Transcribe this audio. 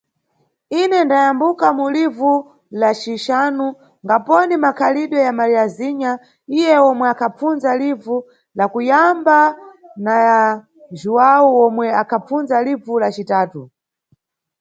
Ine ndayambuka mu livu la cixanu, ngaponi makhalidwe ya Mariazinha iye omwe akhapfunza livu la kuyamba na ya Juwau omwe akhapfunza livu la citatu?